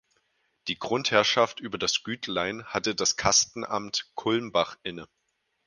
Die Grundherrschaft über das Gütlein hatte das Kastenamt Kulmbach inne.